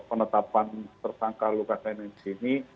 penetapan tersangka lukas nmc ini